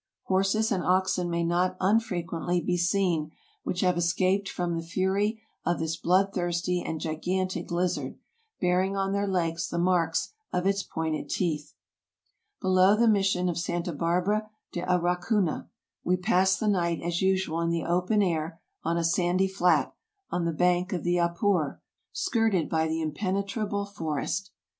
Horses and oxen may not unfrequently be seen which have escaped from the fury of this bloodthirsty and gigantic lizard, bearing on their legs the marks of its pointed teeth. Below the mission of Santa Barbara de Arichuna we passed the night as usual in the open air, on a sandy flat, on the bank of the Apure, skirted by the impenetrable forest.